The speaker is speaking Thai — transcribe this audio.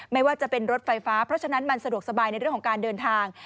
ไม่ว่าจะเป็นรถไฟฟ้าเพราะฉะนั้นมันสะดวกสบายในเรื่องของการเดินทาง